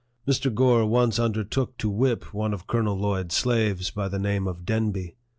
Mr. Gore once undertook to whip one of Colonel Lloyd's slaves, by the name of Demby.